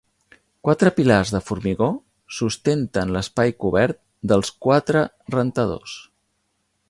Quatre pilars de formigó sustenten l'espai cobert dels quatre rentadors.